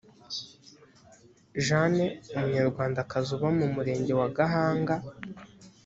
jeanne umunyarwandakazi uba mu murenge wa gahanga